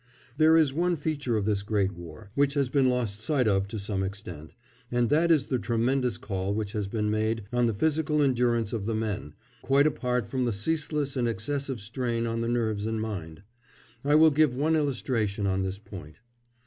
There is one feature of this great war which has been lost sight of to some extent, and that is the tremendous call which has been made on the physical endurance of the men, quite apart from the ceaseless and excessive strain on the nerves and mind. I will give one illustration on this point.